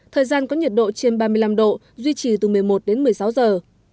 thời gian có nhiệt độ trên ba mươi năm độ duy trì từ một mươi một đến một mươi sáu giờ